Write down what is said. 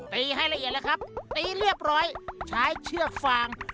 ให้ละเอียดเลยครับตีเรียบร้อยใช้เชือกฟาง